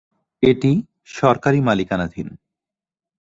এটি সরকারি মালিকানাধীন।